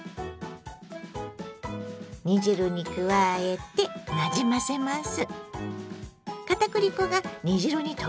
煮汁に加えてなじませます。